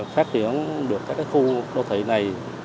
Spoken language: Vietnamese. phát triển được các khu đô thị này